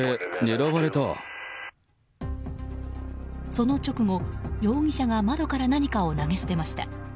その直後、容疑者が窓から何かを投げ捨てました。